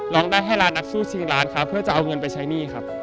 ร้องได้ให้ล้านนักสู้ชิงล้านครับเพื่อจะเอาเงินไปใช้หนี้ครับ